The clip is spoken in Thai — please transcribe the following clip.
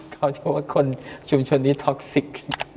คำว่าคนชุมชนนี้ท็อกซิก